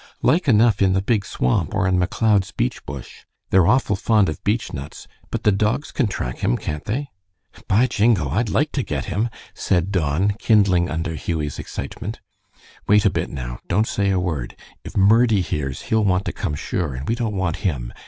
"Like enough in the Big Swamp or in McLeod's beech bush. They're awful fond of beechnuts. But the dogs can track him, can't they?" "By jingo! I'd like to get him," said Don, kindling under Hughie's excitement. "Wait a bit now. Don't say a word. If Murdie hears he'll want to come, sure, and we don't want him.